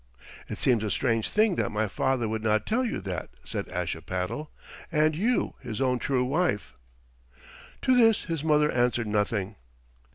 "It seems a strange thing that my father would not tell you that," said Ashipattle, "and you his own true wife." To this his mother answered nothing.